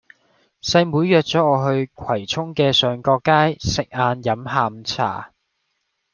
細妹約左我去葵涌嘅上角街食晏飲下午茶